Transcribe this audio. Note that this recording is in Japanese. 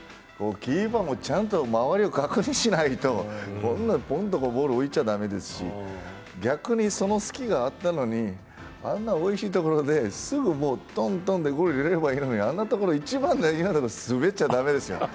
キーパーもちゃんと周りを確認しないとこんなとこボールを置いちゃだめですし逆にその隙があったのにあんなおいしいところで、すぐトントンでゴールを入れればいいのに、あんなところ、一番のところで滑っちゃ駄目ですよ。